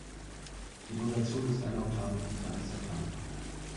Die Notation ist eine Oktave tiefer als der Klang.